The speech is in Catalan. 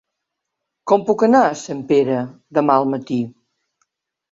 Com puc anar a Sempere demà al matí?